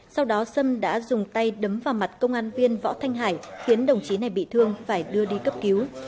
sau đó sâm đã dùng tay đấm vào mặt công an viên võ thanh hải khiến đồng chí này bị thương phải đưa đi cấp cứu